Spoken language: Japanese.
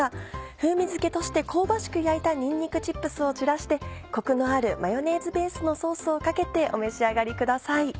風味づけとして香ばしく焼いたにんにくチップスを散らしてコクのあるマヨネーズベースのソースをかけてお召し上がりください。